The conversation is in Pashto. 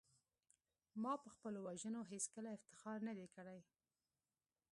ما په خپلو وژنو هېڅکله افتخار نه دی کړی